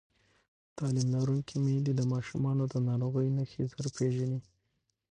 تعلیم لرونکې میندې د ماشومانو د ناروغۍ نښې ژر پېژني.